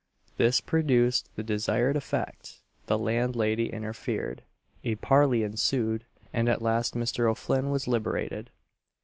This produced the desired effect the landlady interfered, a parley ensued, and at last Mr. O'Flinn was liberated.